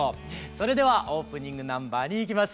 それではオープニングナンバーにいきます。